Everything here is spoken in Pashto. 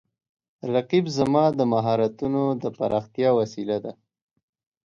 رقیب زما د مهارتونو د پراختیا وسیله ده